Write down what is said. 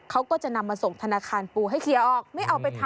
เขาก็จะนำมาส่งธนาคารปูให้เคลียร์ออกไม่เอาไปทำ